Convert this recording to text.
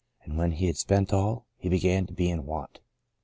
. and when he had spent all ... he began to be in want."